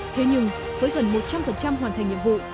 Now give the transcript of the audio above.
thế nhưng với gần một trăm linh hoàn thành nhiệm vụ